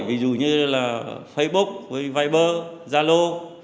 ví dụ như là facebook viber zalo